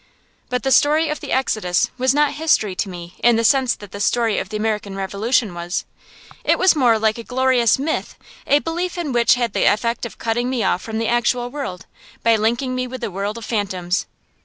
But the story of the Exodus was not history to me in the sense that the story of the American Revolution was. It was more like a glorious myth, a belief in which had the effect of cutting me off from the actual world, by linking me with a world of phantoms.